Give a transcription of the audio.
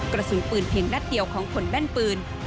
กระสุนปืนเพียงนัดเดียวของคนแม่นปืน